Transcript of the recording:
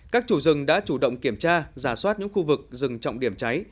các chủ rừng đã chủ động kiểm tra giả soát những khu vực rừng trọng điểm cháy